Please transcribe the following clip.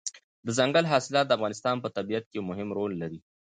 دځنګل حاصلات د افغانستان په طبیعت کې یو مهم رول لري.